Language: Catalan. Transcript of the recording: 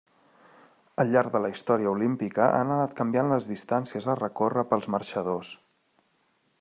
Al llarg de la història olímpica han anat canviant les distàncies a recórrer pels marxadors.